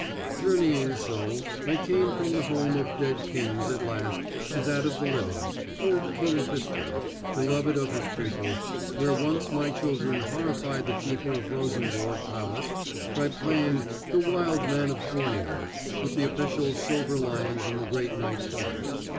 Journeying so, I came from the home of dead kings at last to that of the living, old King Christian, beloved of his people, where once my children horrified the keeper of Rosenborg Palace by playing "the Wild Man of Borneo" with the official silver lions in the great knights' hall.